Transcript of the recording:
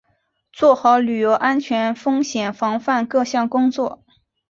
做好旅游安全风险防范各项工作